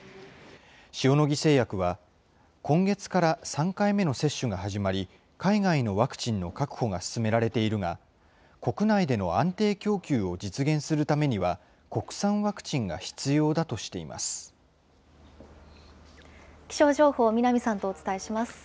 塩野義製薬は、今月から３回目の接種が始まり、海外のワクチンの確保が進められているが、国内での安定供給を実現するためには、国産ワクチンが必要だとし気象情報、南さんとお伝えします。